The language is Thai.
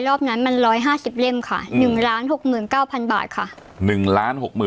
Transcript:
รอบนั้นมัน๑๕๐เล่มค่ะ๑๖๙๐๐บาทค่ะ